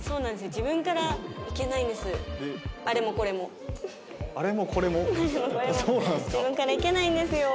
自分からいけないんですよ。